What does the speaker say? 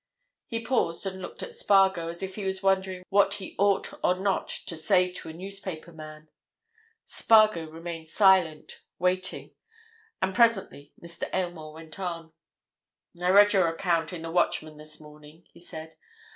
He paused and looked at Spargo as if he was wondering what he ought or not to say to a newspaper man. Spargo remained silent, waiting. And presently Mr. Aylmore went on. "I read your account in the Watchman this morning," he said.